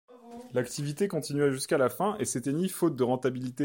L'activité continua jusqu'à la fin du et s'éteignit faute de rentabilité.